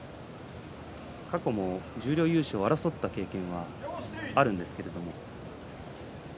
過去も十両優勝争った経験があるんですが。